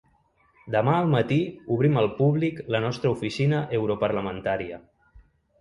Demà al matí obrim al públic la nostra oficina europarlamentària.